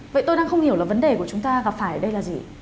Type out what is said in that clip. vậy tôi đang không hiểu là vấn đề của chúng ta gặp phải ở đây là gì